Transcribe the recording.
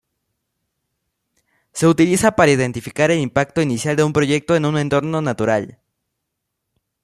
Se utiliza para identificar el impacto inicial de un proyecto en un entorno natural.